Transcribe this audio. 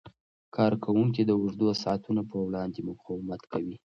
کارکوونکي د اوږدو ساعتونو په وړاندې مقاومت کوي.